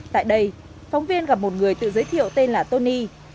tại đây phóng viên gặp một người tự giới thiệu tên là tony